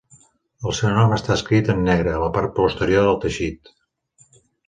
El seu nom està escrit en negre a la part posterior del teixit.